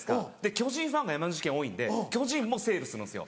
巨人ファンが山口県多いんで巨人もセールするんですよ。